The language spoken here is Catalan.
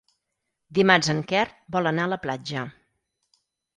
Dimarts en Quer vol anar a la platja.